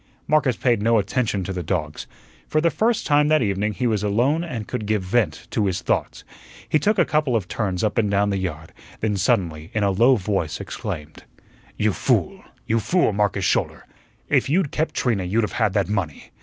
Marcus paid no attention to the dogs. For the first time that evening he was alone and could give vent to his thoughts. He took a couple of turns up and down the yard, then suddenly in a low voice exclaimed: "You fool, you fool, Marcus Schouler! If you'd kept Trina you'd have had that money.